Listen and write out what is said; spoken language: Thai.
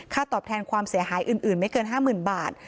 ตอบแทนความเสียหายอื่นไม่เกิน๕๐๐๐บาท